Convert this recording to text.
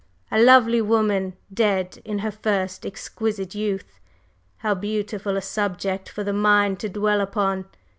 A lovely woman, dead in her first exquisite youth, how beautiful a subject for the mind to dwell upon!